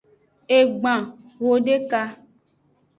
Egban hodeka.